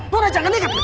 nona jangan inget